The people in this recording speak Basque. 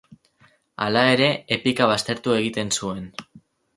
Hala ere, epika baztertu egiten zuen.